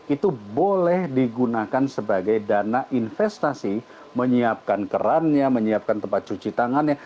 itu boleh digunakan sebagai dana investasi menyiapkan kerannya menyiapkan tempat cuci tangannya